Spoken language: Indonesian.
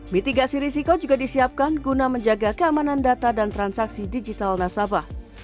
mitigasi risiko juga disiapkan guna menjaga keamanan data dan transaksi digital nasabah